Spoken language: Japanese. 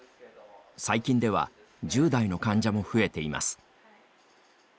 最近では１０代の患者も増えています。